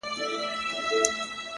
چي يو ځل بيا څوک په واه واه سي راته